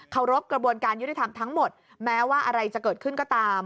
รบกระบวนการยุติธรรมทั้งหมดแม้ว่าอะไรจะเกิดขึ้นก็ตาม